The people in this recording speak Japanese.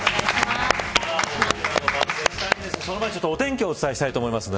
その前にお天気をお伝えしたいと思いますね。